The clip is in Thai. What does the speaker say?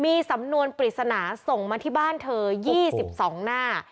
มีสำนวนปริศนาส่งมาที่บ้านเธอยี่สิบสองหน้า